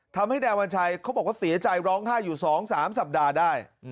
ทำให้นายวัญชัยเขาบอกว่าเสียใจร้องไห้อยู่๒๓สัปดาห์ได้